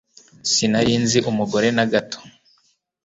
Sinari nzi umugore na gato